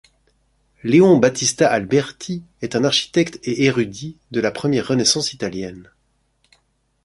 Leon Battista Alberti est un architecte et érudit de la première renaissance italienne.